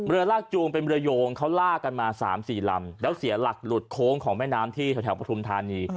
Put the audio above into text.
เรือลากจูงเป็นเรือโยงเขาลากกันมา๓๔ลำแล้วเสียหลักหลุดโค้งของแม่น้ำที่แถวปฐุมธานี